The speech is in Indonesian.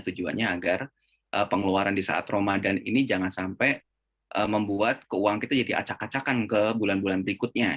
tujuannya agar pengeluaran di saat ramadan ini jangan sampai membuat keuangan kita jadi acak acakan ke bulan bulan berikutnya